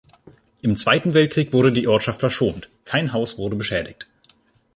Im Zweiten Weltkrieg wurde die Ortschaft verschont, kein Haus wurde beschädigt.